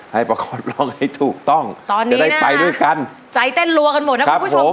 ประกอบร้องให้ถูกต้องตอนนี้จะได้ไปด้วยกันใจเต้นรัวกันหมดนะคุณผู้ชม